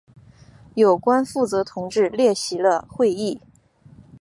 有关负责同志列席了会议。